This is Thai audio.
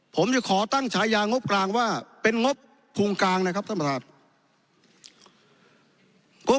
ผมจะขอตั้งฉายางบกลางว่าเป็นงบพุงกลางนะครับท่านประธาน